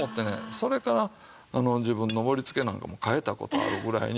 それから自分の盛りつけなんかも変えた事あるぐらいに。